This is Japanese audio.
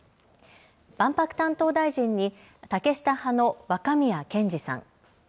万博担当大臣に竹下派の若宮健嗣さん。